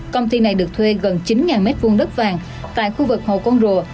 công ty này được thuê gần chín m hai đất vàng tại khu vực hồ con rùa